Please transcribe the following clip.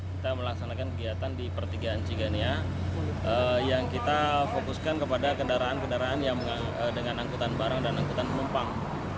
kita melaksanakan kegiatan di pertigaan cigania yang kita fokuskan kepada kendaraan kendaraan yang dengan angkutan barang dan angkutan penumpang